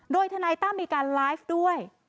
โดยทนายตั้มมีการไลฟ์ด้วย